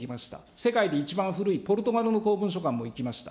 世界で一番古いポルトガルの公文書館も行きました。